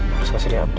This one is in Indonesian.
harus kasih dia update